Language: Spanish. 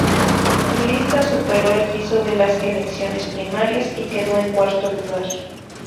Su lista superó el piso de las elecciones primarias y quedó en cuarto lugar.